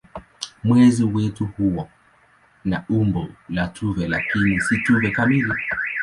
Mwezi wetu huwa na umbo la tufe lakini si tufe kamili.